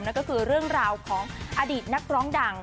นั่นก็คือเรื่องราวของอดีตนักร้องดัง